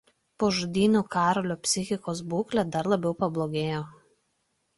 Po žudynių Karolio psichikos būklė dar labiau pablogėjo.